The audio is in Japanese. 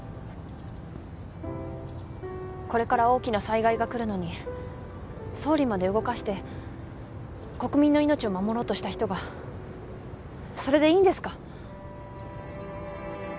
これから大きな災害が来るのに総理まで動かして国民の命を守ろうとした人がそれでいいんですか？